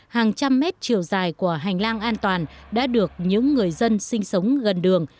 hàng trăm mét chiều dài của hành lang an toàn đã được những người dân sinh sống gần đường